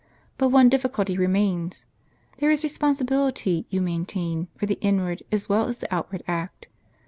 " But one difficulty remains. There is responsibility, you maintain, for the inward, as well as the outward act.